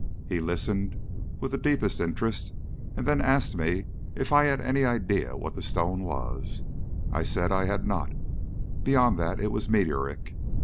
He listened with the deepest interest, and then asked me if I had any idea what the stone was. I said I had not, beyond that it was meteoric.